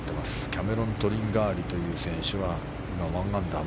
キャメロン・トリンガーリという選手は今、１アンダー。